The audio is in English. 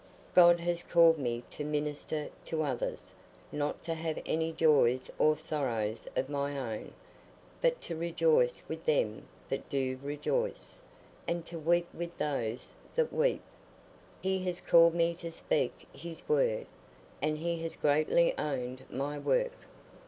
God has called me to minister to others, not to have any joys or sorrows of my own, but to rejoice with them that do rejoice, and to weep with those that weep. He has called me to speak his word, and he has greatly owned my work.